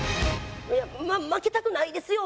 負けたくないですよ